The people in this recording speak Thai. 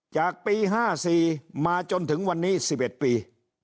จากปี๕๔มาจนถึงวันนี้๑๑ปี